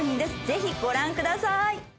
ぜひご覧ください。